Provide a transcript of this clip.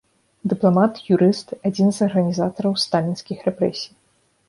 Дыпламат, юрыст, адзін з арганізатараў сталінскіх рэпрэсій.